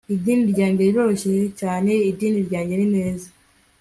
idini ryanjye riroroshye cyane. idini ryanjye ni ineza